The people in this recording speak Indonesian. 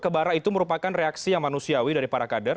kebara itu merupakan reaksi yang manusiawi dari para kader